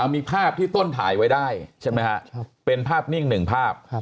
มีภาพที่ต้นถ่ายไว้ได้ใช่ไหมฮะเป็นภาพนิ่งหนึ่งภาพ